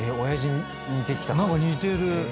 何か似てる。